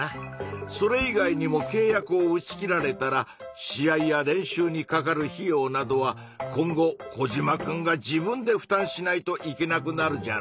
それ以外にもけい約を打ち切られたら試合や練習にかかる費用などは今後コジマくんが自分でふたんしないといけなくなるじゃろうなぁ。